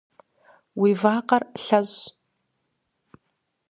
Уи вакъэр лъэщӏ.